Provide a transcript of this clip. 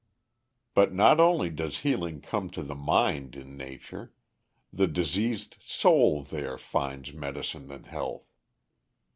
But not only does healing come to the mind in Nature: the diseased soul there finds medicine and health.